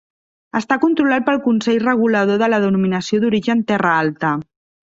Està controlat pel Consell Regulador de la Denominació d'Origen Terra Alta.